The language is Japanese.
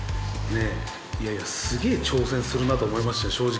いやいや、すげぇ挑戦するなと思いましたよ、正直。